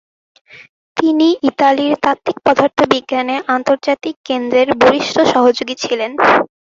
তিনি ইতালির তাত্ত্বিক পদার্থবিজ্ঞানের আন্তর্জাতিক কেন্দ্রের বরিষ্ঠ সহযোগী ছিলেন।